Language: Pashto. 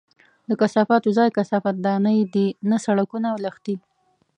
د کثافاتو ځای کثافت دانۍ دي، نه سړکونه او لښتي!